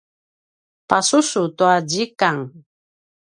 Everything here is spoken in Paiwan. pasusu tua zikang